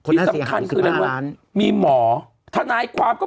น่าเสียหายว่า๑๕ล้าน